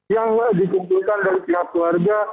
yang dikumpulkan dari pihak keluarga